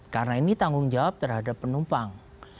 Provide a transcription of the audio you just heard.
karena ini tanggung jawab terhadap penumpang